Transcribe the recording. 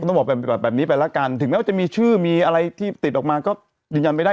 ต้องบอกแบบนี้ไปแล้วกันถึงแม้ว่าจะมีชื่อมีอะไรที่ติดออกมาก็ยืนยันไม่ได้